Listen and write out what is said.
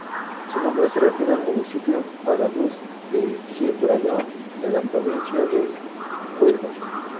Su nombre se refiere al municipio andaluz de Gibraleón, en la provincia de Huelva.